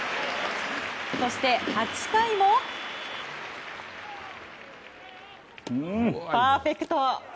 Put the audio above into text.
そして８回もパーフェクト。